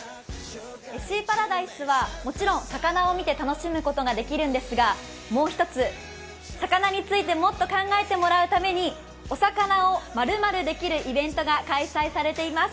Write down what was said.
シーパラダイスはもちろん魚を見て楽しむことができるんですがもう一つ、魚についてもっと考えてもらうためにお魚を○○できるイベントが開催されています。